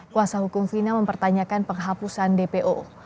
kuasa hukum fina mempertanyakan penghapusan dpo